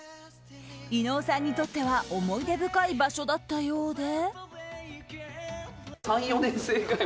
伊野尾さんにとっては思い出深い場所だったようで。